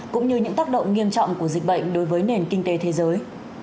cũng như những tác động nghiêm trọng của dịch bệnh đối với nền kinh tế thế giới